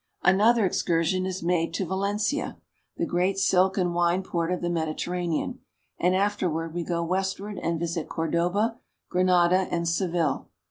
Another excursion is made to Valencia, the great silk and wine port of the Mediterranean, and afterward we go westward and visit Cordoba, Granada, and Seville.